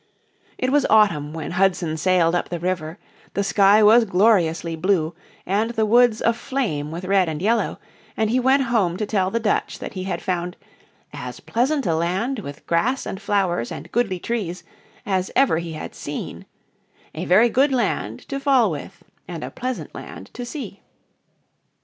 It was autumn when Hudson sailed up the river; the sky was gloriously blue, and the woods aflame with red and yellow, and he went home to tell the Dutch that he had found "as pleasant a land with grass and flowers and goodly trees as ever he had seen," "a very good land to fall with, and a pleasant land to see."